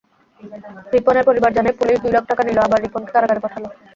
রিপনের পরিবার জানায়, পুলিশ দুই লাখ টাকা নিল, আবার রিপনকে কারাগারে পাঠাল।